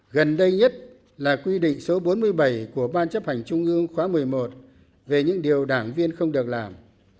gần đây nhất là quy định số bốn mươi bảy của ban chấp hành trung ương khóa một mươi một về những điều đảng viên không được làm